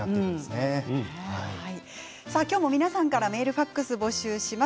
今日も皆さんからメールファックス募集します。